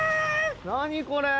何これ⁉